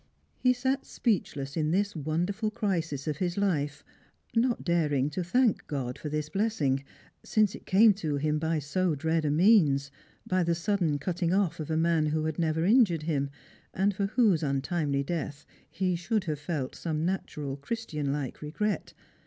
He sat speechless in this wonderful crisis of his Ufe, not daring to thank God for this blessing, since it came to him by so dread a means, by the sudden cutting off of a man who had never injured him, and for whose untimely death he should have felt some natural Christianlike regret.